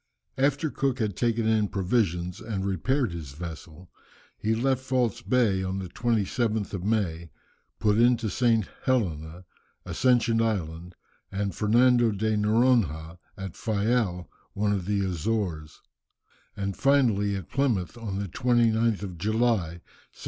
After Cook had taken in provisions and repaired his vessel, he left False Bay on the 27th of May, put into St. Helena, Ascension Island, and Fernando de Noronha, at Fayal, one of the Azores, and finally at Plymouth, on the 29th of July, 1775.